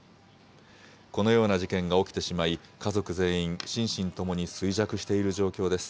このような事件が起きてしまい、家族全員、心身ともに衰弱している状況です。